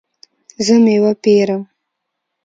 زه میوه پیرم